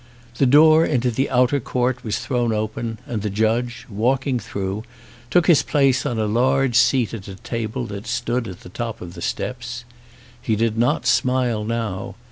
The door into the outer court was thrown open and the judge, walking through, took his place on a large seat at a table that stood at the top of the steps. He did not smile now.